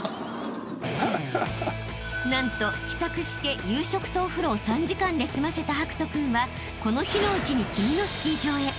［何と帰宅して夕食とお風呂を３時間で済ませた博仁君はこの日のうちに次のスキー場へ］